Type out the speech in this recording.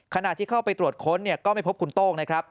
ขณะที่เข้าไปตรวจค้นก็ไม่พบคุณโต้งนะครับ